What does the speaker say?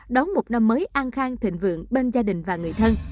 đón một năm mới an khang thịnh vượng bên gia đình và người thân